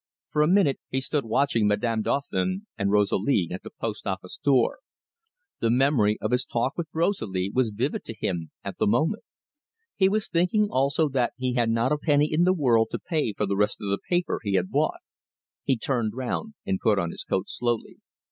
For a minute he stood watching Madame Dauphin and Rosalie at the post office door. The memory of his talk with Rosalie was vivid to him at the moment. He was thinking also that he had not a penny in the world to pay for the rest of the paper he had bought. He turned round and put on his coat slowly.